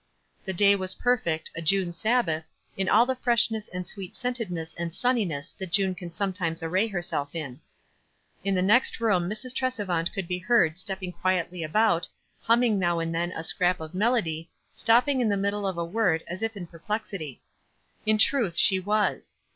The day was perfect, a June Sabbath, in all the freshness and sweet scentedness and sunniness that June can sometimes array herself in. In the next room Mrs. Tresevant could be heard stepping quietly about, humming now and then a scrap of melody, stopping in the middle of a word, as if in perplexity. In truth she was.